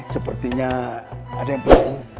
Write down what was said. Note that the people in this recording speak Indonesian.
sepertinya ada yang perlu